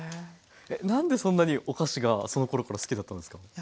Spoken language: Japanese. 何でそんなにお菓子がそのころから好きだったんですか？